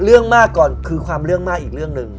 เรื่องมากก่อนคือความเรื่องมากอีกเรื่องหนึ่ง